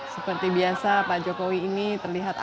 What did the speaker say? seperti biasa pak jokowi ini terlihat